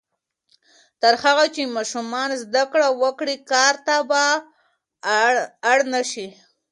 تر هغه چې ماشومان زده کړه وکړي، کار ته به اړ نه شي.